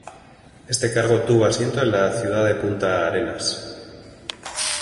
Este cargo tuvo asiento en la ciudad de Punta Arenas.